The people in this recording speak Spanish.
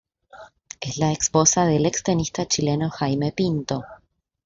Es la esposa del extenista chileno Jaime Pinto.